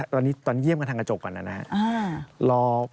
ตอนนี้ตอนเยี่ยมกันทางกระจกก่อนนะครับ